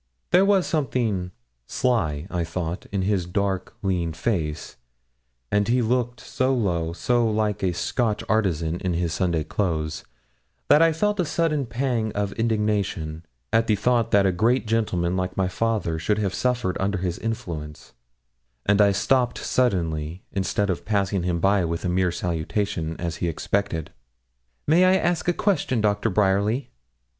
There was something sly, I thought, in his dark, lean face; and he looked so low, so like a Scotch artisan in his Sunday clothes, that I felt a sudden pang of indignation, at the thought that a great gentleman, like my father, should have suffered under his influence, and I stopped suddenly, instead of passing him by with a mere salutation, as he expected, 'May I ask a question, Doctor Bryerly?'